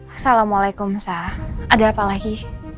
assalamualaikum ada apa lagi